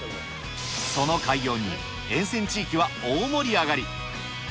その開業に沿線地域は大盛り上がり。